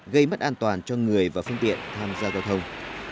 gây mất an toàn cho người và phương tiện tham gia giao thông